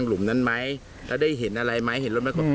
และได้เห็นอะไรไหมเห็นรถแมคโฮล์